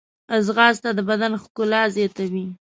ځغاسته د بدن ښکلا زیاتوي